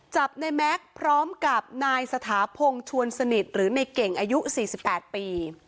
จับในแม็กซ์พร้อมกับนายสถาพงศ์ชวนสนิทหรือในเก่งอายุ๔๘ปี